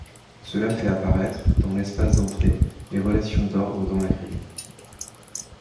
Cela fait apparaître, dans l'espace d'entrée, les relations d'ordre dans la grille.